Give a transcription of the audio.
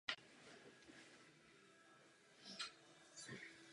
Jeho pořadatelem je dnes Naivní divadlo v Liberci.